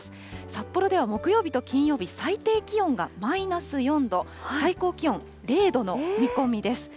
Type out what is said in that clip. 札幌では木曜日と金曜日、最低気温がマイナス４度、最高気温０度の見込みです。